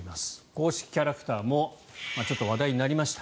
公式キャラクターもちょっと話題になりました。